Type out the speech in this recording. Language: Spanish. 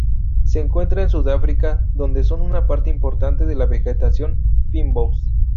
Se encuentra en Sudáfrica, donde son una parte importante de la vegetación fynbos.